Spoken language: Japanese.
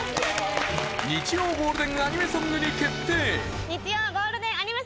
日曜ゴールデンアニメソングに決定